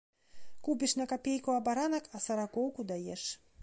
Купіш на капейку абаранак, а саракоўку даеш.